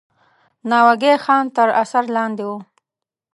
ناوګی خان تر اثر لاندې وو.